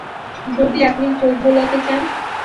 যদি আপনি চোখ বোলাতে চান।